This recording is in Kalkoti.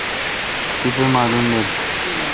تیپہ معالم بیل۔